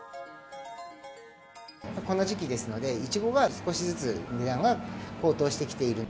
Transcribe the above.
この時期ですので、イチゴが少しずつ値段が高騰してきている。